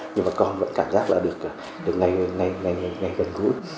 nhưng mà con vẫn cảm giác là được ngay gần gũi